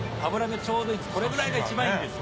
これぐらいが一番いいんです。